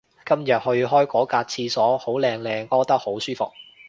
今日去開嗰格廁所好靚靚屙得好舒服